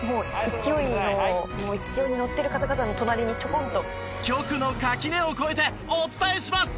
「勢いに乗ってる方々の隣にちょこんと」局の垣根を越えてお伝えします！